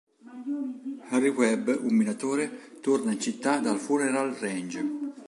Harry Webb, un minatore, torna in città dal Funeral Range.